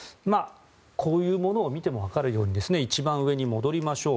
こういうものを見ても分かるように一番上に戻りましょう。